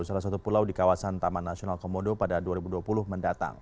salah satu pulau di kawasan taman nasional komodo pada dua ribu dua puluh mendatang